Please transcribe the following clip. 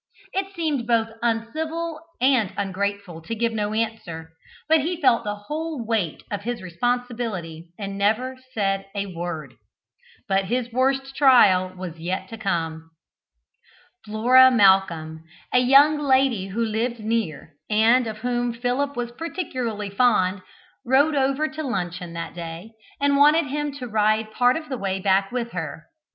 It seemed both uncivil and ungrateful to give no answer, but he felt the whole weight of his responsibility and said never a word. But his worst trial was yet to come. Flora Malcolm, a young lady who lived near, and of whom Philip was particularly fond, rode over to luncheon that day, and wanted him to ride part of the way back with her.